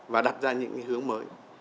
và đặt ra những cái hướng mới